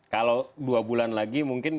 kalau dua bulan lagi mungkin